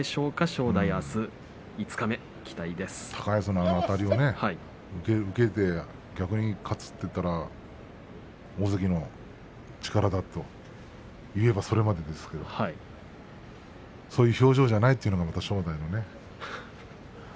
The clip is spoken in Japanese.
正代高安のあのあたりを受け入れて逆に勝つといったら大関の力だといえばそれまでですけれどもそういう表情じゃないというのがまた正代のね。